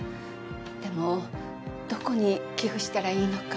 でもどこに寄付したらいいのか。